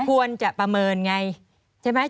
ควรจะประเมินไงใช่ไหม